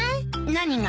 何が？